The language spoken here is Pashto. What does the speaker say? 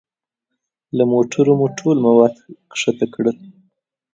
له موټرو مو ټول مواد ښکته کړل.